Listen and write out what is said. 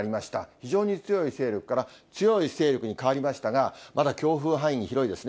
非常に強い勢力から強い勢力に変わりましたが、まだ強風範囲広いですね。